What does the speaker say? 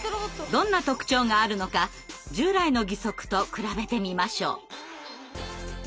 どんな特徴があるのか従来の義足と比べてみましょう。